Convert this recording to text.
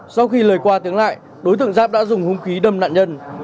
sau khi lời qua tiếng lại đối tượng giáp đã dùng hung khí đâm nạn nhân